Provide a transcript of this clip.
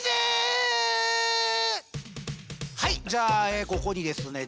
はいじゃあここにですね